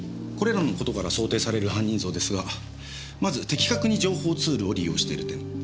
これらの事から想定される犯人像ですがまず的確に情報ツールを利用してる点。